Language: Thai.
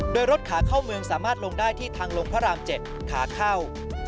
โดยรถขาเข้าเมืองสามารถลงได้ที่ทางลงพระราม๗ขาเข้า